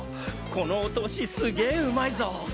このお通しすげうまいぞ！